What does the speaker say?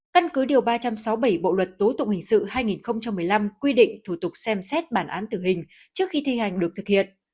căn cứ điều ba trăm sáu mươi bảy bộ luật tố tụng hình sự hai nghìn một mươi năm quy định thủ tục xem xét bản án tử hình trước khi thi hành được thực hiện